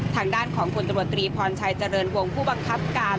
ทางด้านของพลตำรวจตรีพรชัยเจริญวงศ์ผู้บังคับการ